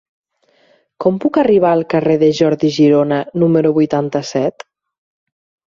Com puc arribar al carrer de Jordi Girona número vuitanta-set?